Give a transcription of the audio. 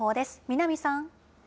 南さん。